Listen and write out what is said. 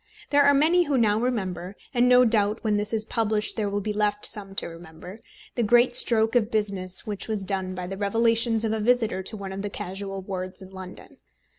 There are many who now remember and no doubt when this is published there will be left some to remember the great stroke of business which was done by the revelations of a visitor to one of the casual wards in London.